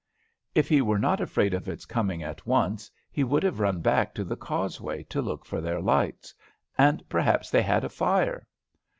If he were not afraid of its coming at once, he would have run back to the causeway to look for their lights, and perhaps they had a fire.